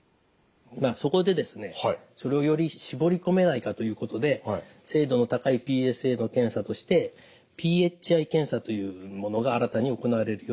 そこでですねそれをより絞り込めないかということで精度の高いＰＳＡの検査としてｐｈｉ検査というものが新たに行われるようになりました。